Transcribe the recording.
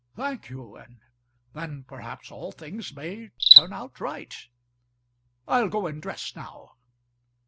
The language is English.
"Thank you; and then perhaps all things may turn out right. I'll go and dress now."